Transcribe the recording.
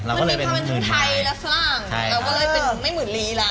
มันมีความเป็นฝรั่งไทยและฝรั่งใช่แล้วก็เลยเป็นไม่หมื่นลี้ละ